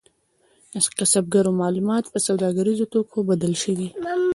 د کسبګرو محصولات په سوداګریزو توکو بدل شول.